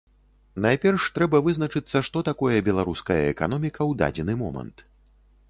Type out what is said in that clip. Найперш, трэба вызначыцца, што такое беларуская эканоміка ў дадзены момант.